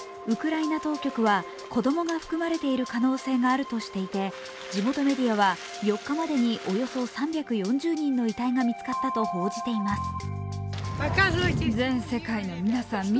ウクライナ当局は子供が含まれている可能性があるとしていて地元メディアは４日までにおよそ３４０人の遺体が見つかったと報じています。